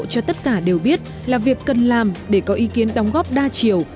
cho tất cả đều biết là việc cần làm để có ý kiến đóng góp đa chiều